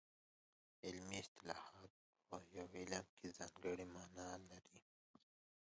علمي اصطلاحات په یو علم کې ځانګړې مانا لري